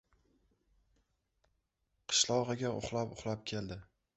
Qishlog‘iga uxlab-uxlab keldi.